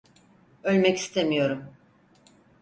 Ölmek istemiyorum.